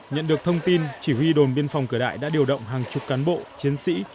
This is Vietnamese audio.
nhận được thông tin chỉ huy đồn biên phòng cửa đại đã điều động hàng chục cán bộ chiến sĩ